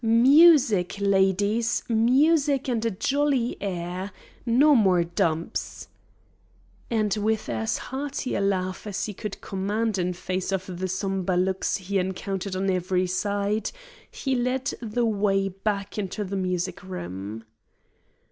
Music! ladies, music and a jolly air! No more dumps." And with as hearty a laugh as he could command in face of the sombre looks he encountered on every side, he led the way back into the music room.